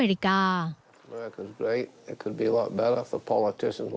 อเมริกาควรเยี่ยมมันก็จะดีกว่าเมนส์